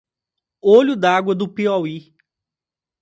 Olho d'Água do Piauí